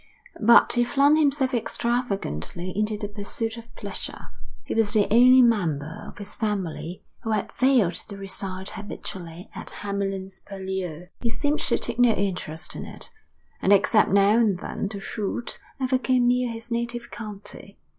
But he flung himself extravagantly into the pursuit of pleasure. He was the only member of his family who had failed to reside habitually at Hamlyn's Purlieu. He seemed to take no interest in it, and except now and then to shoot, never came near his native county.